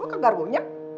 lo kagak runyam